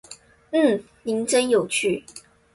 嗯，您真有趣